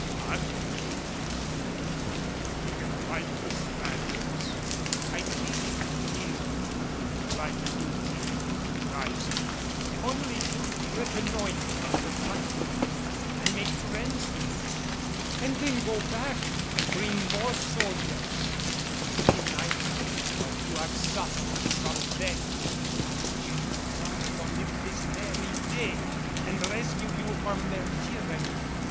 "What!" he exclaimed, "will you fight the Spaniards?" "I came here," replied De Gourgues, rising, "only to reconnoitre the country and make friends with you, and then go back and bring more soldiers; but when I hear what you are suffering from them I wish to fall upon them this very day, and rescue you from their tyranny."